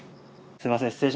すいません。